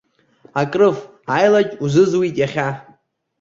Акрыф, аилаџь узызуит иахьа.